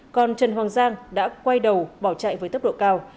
còn trần hoàng giang đã quay đầu bỏ chạy với tốc độ cao